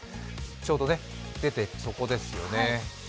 ちょうど出て、そこですよね。